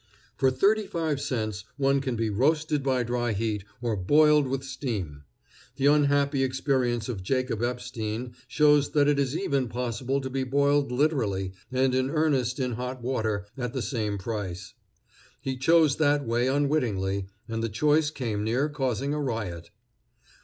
For thirty five cents one can be roasted by dry heat or boiled with steam. The unhappy experience of Jacob Epstein shows that it is even possible to be boiled literally and in earnest in hot water at the same price. He chose that way unwittingly, and the choice came near causing a riot.